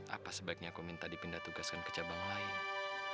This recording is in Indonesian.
apa sebaiknya aku minta dipindah tugaskan ke cabang lain